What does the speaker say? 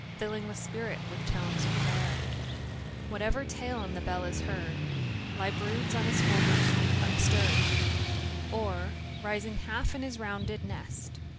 Filling the spirit with tones of prayer Whatever tale in the bell is heard, lie broods on his folded feet unstirr'd, Oi, rising half in his rounded nest.